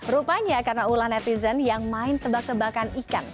rupanya karena ulah netizen yang main tebak tebakan ikan